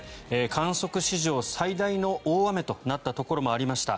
観測史上最大の大雨となったところもありました。